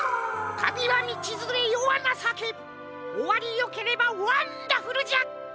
たびはみちづれよはなさけおわりよければワンダフルじゃ！